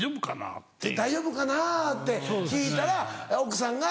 「大丈夫かな？」って聞いたら奥さんが？